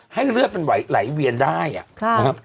ให้เลือดมันไหวหลายเวียนได้อ่ะ